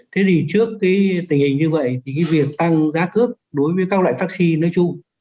thế thì trước cái tình hình như vậy thì cái việc tăng giá cước đối với các loại taxi nói chung